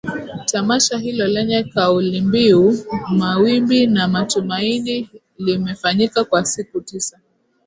Tamasha hilo lenye kaulimbiu Mawimbi na Matumaini limefanyika kwa siku tisa